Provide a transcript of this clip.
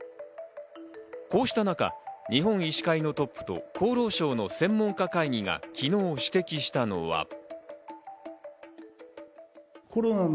こうした中、日本医師会のトップと厚労省の専門家会議が昨日指摘したのは。